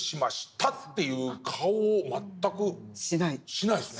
しないですね。